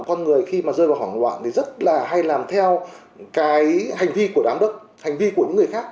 con người khi mà rơi vào hoảng loạn thì rất là hay làm theo cái hành vi của đám đức hành vi của những người khác